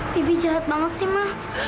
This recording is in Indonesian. bibi jahat banget sih mah